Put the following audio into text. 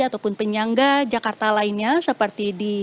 ataupun penyangga jakarta lainnya seperti di